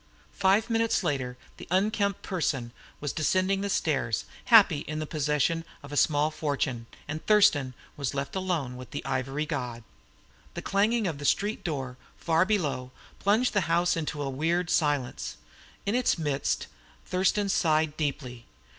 Five minutes later the unkempt person was descending the stairs, happy in the possession of a small fortune, and Thurston was left alone with the ivory god. The clanging of the street door, far below, plunged the house into a weird silence. In its midst Thurston sighed deeply.